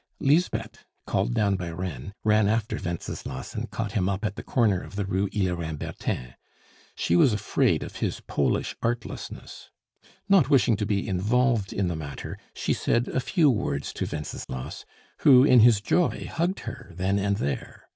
Lisbeth, called down by Reine, ran after Wenceslas and caught him up at the corner of the Rue Hillerin Bertin; she was afraid of his Polish artlessness. Not wishing to be involved in the matter, she said a few words to Wenceslas, who in his joy hugged her then and there.